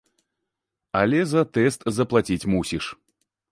Але за тэст заплаціць мусіш.